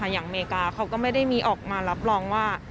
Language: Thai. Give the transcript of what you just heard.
อเมริกาเขาก็ไม่ได้มีออกมารับรองว่า